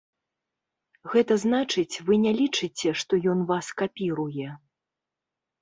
Гэта значыць, вы не лічыце, што ён вас капіруе?